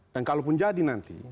dan kalau pun jadi nanti